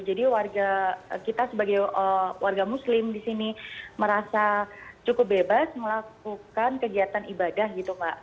jadi warga kita sebagai warga muslim di sini merasa cukup bebas melakukan kegiatan ibadah gitu mbak